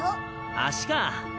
足か。